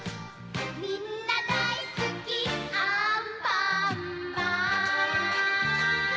みんなだいすきアンパンマン